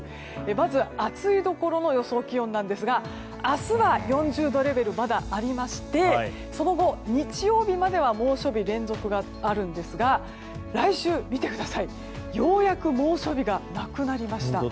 まず、暑いところの予想気温なんですが明日は４０度レベルまだありましてその後、日曜日までは猛暑日連続があるんですが来週、ようやく猛暑日がなくなりました。